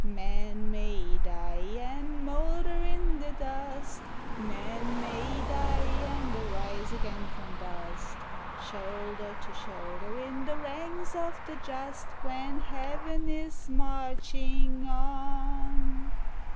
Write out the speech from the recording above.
Men may die, and moulder in the dust â Men may die, and arise again from dust. Shoulder to shoulder, in the ranks of the Just, When Heaven is marching on.